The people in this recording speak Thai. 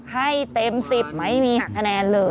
ให้เต็ม๑๐ไม่มีหักคะแนนเลย